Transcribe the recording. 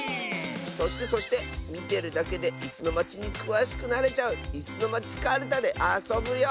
そしてそしてみてるだけで「いすのまち」にくわしくなれちゃう「いすのまちカルタ」であそぶよ！